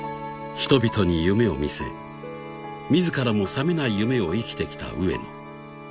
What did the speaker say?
人々に夢をみせ自らも覚めない夢を生きてきた上野